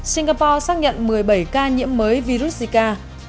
singapore xác nhận một mươi bảy ca nhiễm mới virus zika